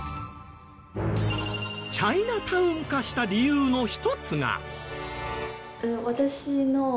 チャイナタウン化した理由の一つが。